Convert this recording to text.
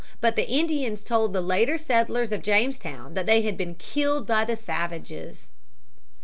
But the Indians told the later settlers of Jamestown that they had been killed by the savages.